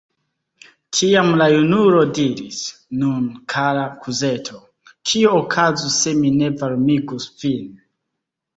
Tiam la junulo diris: Nun, kara kuzeto, kio okazus se mi ne varmigus vin?